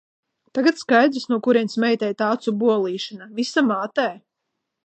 Tagad skaidrs, no kurienes meitai tā acu bolīšana – visa mātē.